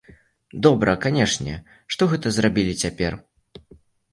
Добра, канешне, што гэта зрабілі цяпер.